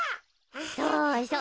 そうそう。